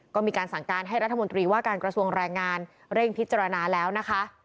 ก็มีการสั่งการให้รัฐมนตรีว่าการกระทรวงแรงงานเร่งพิจารณาแล้วนะคะ